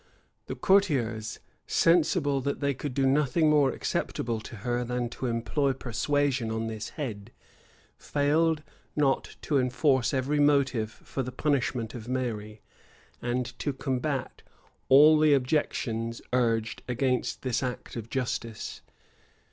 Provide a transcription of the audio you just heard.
The courtiers, sensible that they could do nothing more acceptable to her than to employ persuasion on this head, failed not to enforce every motive for the punishment of Mary, and to combat all the objections urged against this act of justice.